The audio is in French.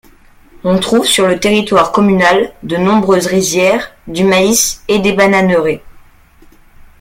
On trouve sur le territoire communal de nombreuses rizières, du maïs et des bananeraies.